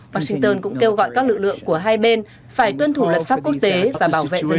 washington cũng kêu gọi các lực lượng của hai bên phải tuân thủ luật pháp quốc tế và bảo vệ rừng